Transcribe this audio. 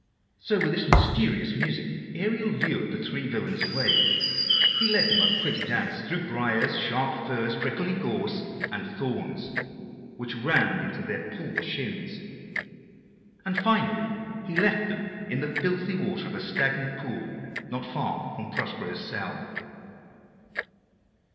So with his mysterious music Ariel lured the three villains away. He led them a pretty dance, through briars, sharp furze, prickly gorse, and thorns, which ran into their poor shins; and finally he left them in the filthy water of a stagnant pool, not far from Prospero's cell.